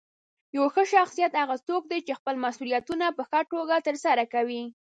یو ښه شخصیت هغه څوک دی چې خپل مسؤلیتونه په ښه توګه ترسره کوي.